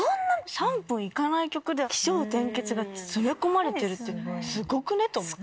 ３分行かない曲で起承転結が詰め込まれているっていうのはすごくね？と思って。